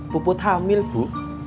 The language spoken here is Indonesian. puput hamil bu